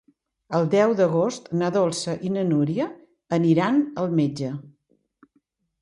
El deu d'agost na Dolça i na Núria aniran al metge.